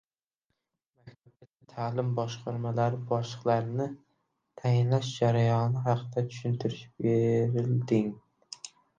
Maktabgacha ta’lim boshqarmalari boshliqlarini tayinlash jarayoni haqida tushuntirish berilding